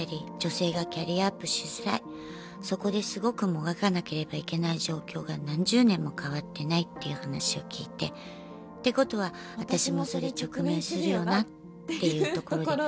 そこですごくもがかなければいけない状況が何十年も変わってないっていう話を聞いて。ってことは私もそれ直面するよなっていうところで。